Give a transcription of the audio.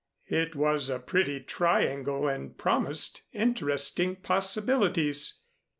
It was a pretty triangle and promised interesting possibilities.